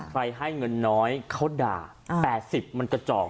ให้เงินน้อยเขาด่า๘๐มันกระจอก